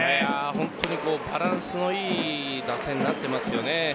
本当にバランスのいい打線になっていますよね。